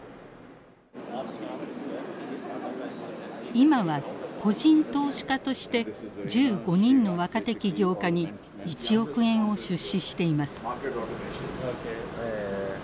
今は個人投資家として１５人の若手起業家に１億円を出資しています。